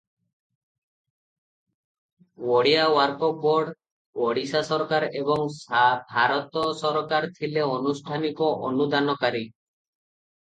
Odisha Waqf board, Odisha ସରକାର ଏବଂ ଭାରତ ସରକାର ଥିଲେ ଆନୁଷ୍ଠାନିକ ଅନୁଦାନକାରୀ ।